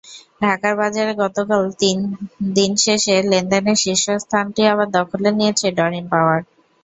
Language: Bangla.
ঢাকার বাজারে গতকাল দিন শেষে লেনদেনের শীর্ষ স্থানটি আবার দখলে নিয়েছে ডরিন পাওয়ার।